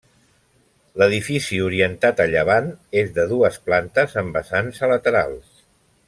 L'edifici orientat a llevant és de dues plantes amb vessants a laterals.